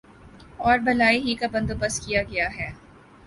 اور بھلائی ہی کا بندو بست کیا گیا ہے